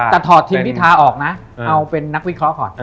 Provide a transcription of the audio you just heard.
แต่ถอดทีมพิทาออกนะเอาเป็นนักวิเคราะห์ก่อน